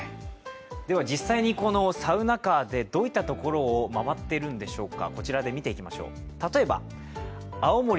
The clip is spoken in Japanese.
では実際にこのサウナカーでどんなところを回っているのでしょうか。